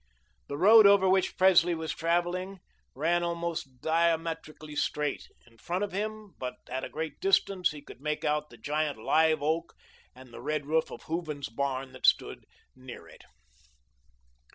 The road over which Presley was travelling ran almost diametrically straight. In front of him, but at a great distance, he could make out the giant live oak and the red roof of Hooven's barn that stood near it.